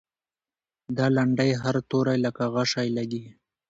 د لنډۍ هر توری لکه غشی لګي.